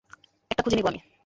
একটা খুঁজে নিব আমি।